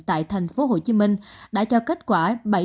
tại thành phố hồ chí minh đã cho kết quả